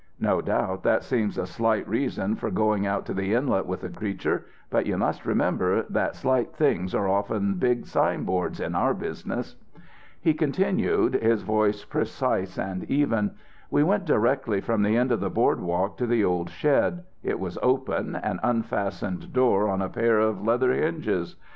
No doubt that seems a slight reason for going out to the Inlet with the creature; but you must remember that slight things are often big signboards in our business." He continued, his voice precise and even: "We went directly from the end of the Boardwalk to the old shed; it was open, an unfastened door on a pair of leather hinges.